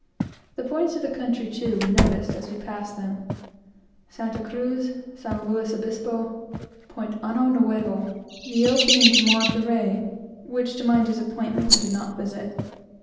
The points in the country, too, he noticed, as he passed them, Santa Cruz, San Luis Obispo, Point Año Nuevo, the opening to Monterey, which to my disappointment we did not visit.